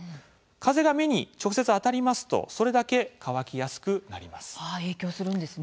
風が目に直接当たりますとそれだけ乾きやすくなります。